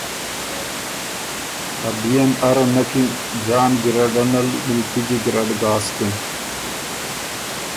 ا بئے ن اره نکِن ځان ګیرډ ان ال مِلتجی ګیرډ ګاسکِن۔